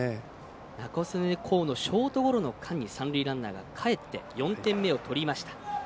仲宗根皐のショートゴロの間に三塁ランナーがかえって４点目を取りました。